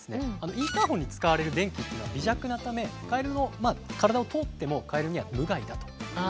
インターホンに使われる電気というのは微弱なためカエルの体を通ってもカエルには無害だということなんです。